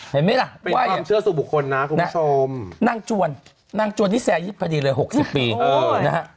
เห็นมั้ยล่ะว่ายเนี่ยน่ะนั่งจวนนั่งจวนนี่แซ่ยิดพอดีเลย๖๐ปีนะฮะ